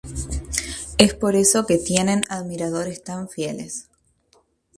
Es por eso que tienen admiradores tan fieles.